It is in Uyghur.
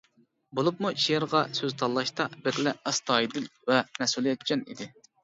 بولۇپمۇ شېئىرغا سۆز تاللاشتا بەكلا ئەستايىدىل ۋە مەسئۇلىيەتچان ئىدى.